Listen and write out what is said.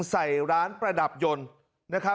ใส่ร้านประดับยนต์